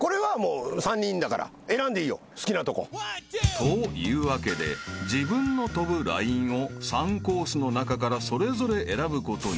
［というわけで自分の飛ぶラインを３コースの中からそれぞれ選ぶことに］